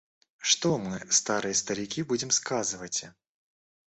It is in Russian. Что мы, старые старики, будем сказывати.